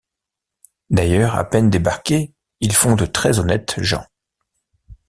D’ailleurs, à peine débarqués, ils font de très-honnêtes gens!